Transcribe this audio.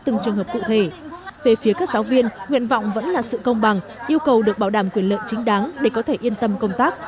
nguyện vọng vẫn là sự công bằng yêu cầu được bảo đảm quyền lợi chính đáng để có thể yên tâm công tác